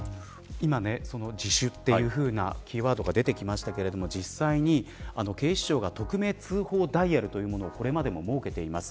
今、自首というキーワードが出ましたが実際に警視庁が匿名通報ダイヤルというものをこれまでも設けています。